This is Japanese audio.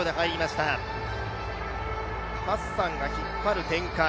ハッサンが引っ張る展開。